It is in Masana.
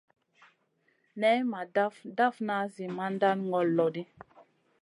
Nay ma daf dafna zi mandan ŋol lo ɗi.